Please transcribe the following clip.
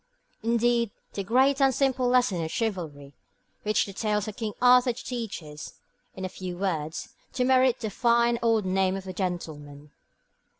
Indeed, the great and simple lesson of chivalry which the tales of King Arthur teach is, in a few words, to merit 'the fine old name of gentleman.'